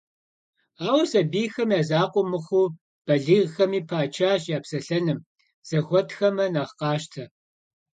Ауэ сабийхэм я закъуэ мыхъуу, балигъхэми пачащ я псэлъэным, зэхуэтхэмэ нэхъ къащтэ.